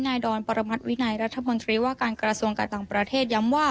นายดรปรมัตย์วินัยรัฐมนธ์ดรวะการกราศวงการต่างประเทศย้ำว่า